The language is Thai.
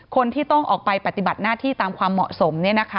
คนที่ต้องออกไปปฏิบัติหน้าที่ตามความเหมาะสม